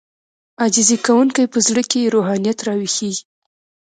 عاجزي کوونکی په زړه کې يې روحانيت راويښېږي.